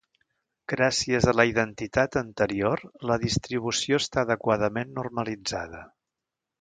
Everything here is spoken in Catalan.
Gràcies a la identitat anterior, la distribució està adequadament normalitzada.